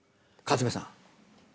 勝部さん。